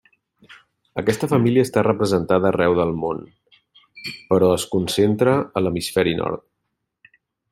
Aquesta família està representada arreu del món, però es concentra a l'hemisferi nord.